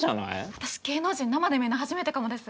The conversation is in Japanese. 私芸能人生で見んの初めてかもです！